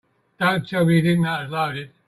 Don't tell me you didn't know it was loaded.